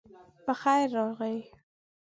پخير راغلئ